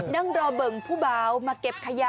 นั่งรอเบิ่งผู้เบามาเก็บขยะ